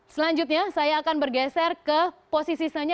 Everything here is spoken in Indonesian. selanjutnya saya akan bergeser ke posisi selanjutnya